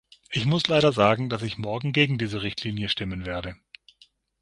Ich muss leider sagen, dass ich morgen gegen diese Richtlinie stimmen werde.